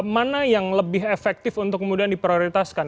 mana yang lebih efektif untuk kemudian diprioritaskan